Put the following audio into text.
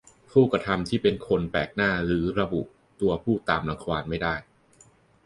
ผู้กระทำที่เป็นคนแปลกหน้าหรือระบุตัวผู้ตามรังควานไม่ได้